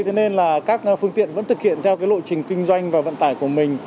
thế nên là các phương tiện vẫn thực hiện theo lộ trình kinh doanh và vận tải của mình